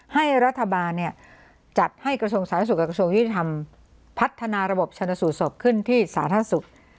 ให้รัฐบาลจัดให้กระทรวงสาธารณสุขกับกระทรวงยุติธรรมพัฒนาระบบชนสูตรศพขึ้นที่สาธารณสุข